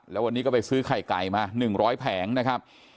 แล้ววันนี้ก็ไปซื้อไข่ไก่มา๑๐๐แผงนะครับ